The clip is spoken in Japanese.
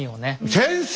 先生！